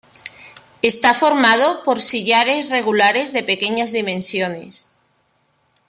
Está formado por sillares regulares de pequeñas dimensiones.